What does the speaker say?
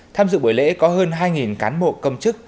tham dự buổi lễ có hơn hai cán bộ công chức